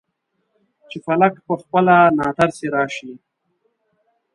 چې فلک پخپله ناترسۍ راشي.